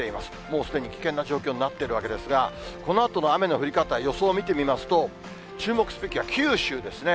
もうすでに危険な状況になってるわけですが、このあとの雨の降り方、予想を見てみますと、注目すべきは九州ですね。